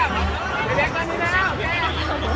ไปเรียกตัวนี้นะ